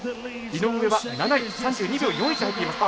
井上は７位３２秒４１で入っています。